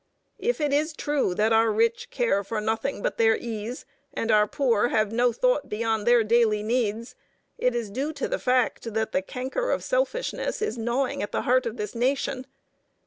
If it is true that our rich care for nothing but their ease, and our poor have no thought beyond their daily needs, it is due to the fact that the canker of selfishness is gnawing at the heart of the nation.